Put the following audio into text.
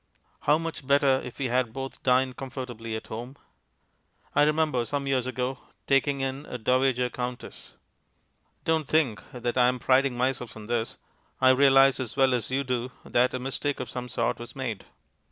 How much better if we had both dined comfortably at home. I remember some years ago taking in a Dowager Countess. Don't think that I am priding myself on this; I realize as well as you do that a mistake of some sort was made.